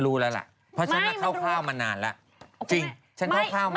รู้แล้วเปล่าทั้งนั้น